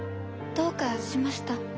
どうかしました？